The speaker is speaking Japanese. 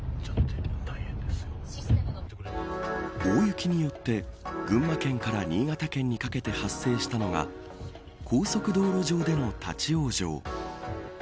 大雪によって群馬県から新潟県にかけて発生したのが高速道路上での立ち往生。